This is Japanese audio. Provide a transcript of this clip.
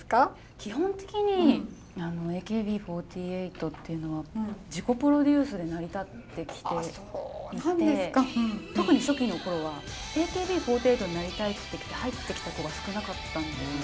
基本的にＡＫＢ４８っていうのは自己プロデュースで成り立ってきていて特に初期の頃は「ＡＫＢ４８になりたい！」って入ってきた子が少なかったんですね。